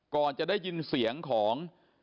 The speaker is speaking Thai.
ก่อนจะได้ยินเสียงของ